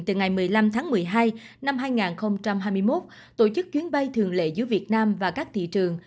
từ ngày một mươi năm tháng một mươi hai năm hai nghìn hai mươi một tổ chức chuyến bay thường lệ giữa việt nam và các thị trường